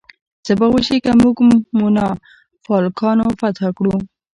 څه به وشي که موږ مونافالکانو فتح کړو؟